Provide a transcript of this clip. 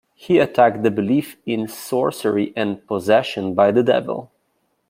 He attacked the belief in sorcery and "possession" by the devil.